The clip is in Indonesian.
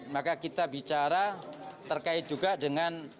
maka kita bicara terkait juga dengan